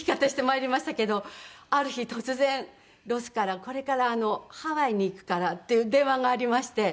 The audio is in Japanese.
ある日突然ロスからこれからハワイに行くからっていう電話がありまして。